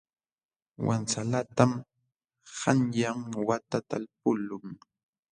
Wansalatam qanyan wata talpuqlun.